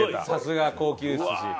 さすが高級寿司。